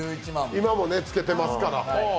今もつけてますから。